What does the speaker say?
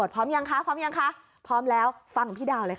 พร้อมยังคะพร้อมยังคะพร้อมแล้วฟังพี่ดาวเลยค่ะ